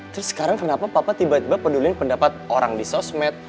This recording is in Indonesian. terus sekarang kenapa papa tiba tiba peduli pendapat orang di sosmed